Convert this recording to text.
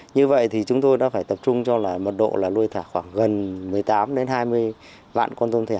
như vậy thì chúng tôi đã phải tập trung cho là mật độ là nuôi thả khoảng gần một mươi tám hai mươi vạn con tôm thẻ